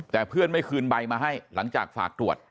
แต่เพื่อนไม่คืนใบมาให้หลังจากฝากตรวจ